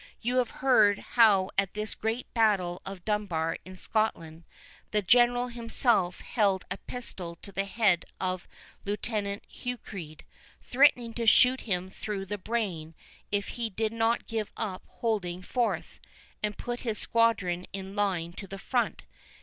You have heard how at the great battle of Dunbar in Scotland, the General himself held a pistol to the head of Lieutenant Hewcreed, threatening to shoot him through the brain if he did not give up holding forth, and put his squadron in line to the front.